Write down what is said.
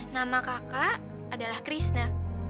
nama kakak adalah krishna